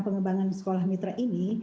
pengembangan sekolah mitra ini